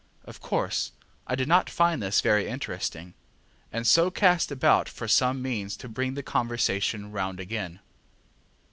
Of course, I did not find this very interesting, and so cast about for some means to bring the conversation round again.